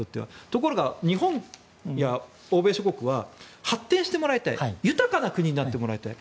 ところが日本や欧米諸国は発展してもらいたい豊かな国になってもらいたい。